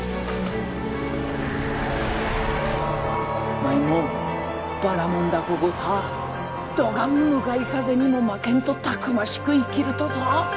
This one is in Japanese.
舞もばらもん凧ごたぁどがん向かい風にも負けんとたくましく生きるとぞ。